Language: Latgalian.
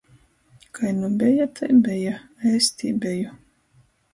Kai nu beja, tai beja, a es tī beju.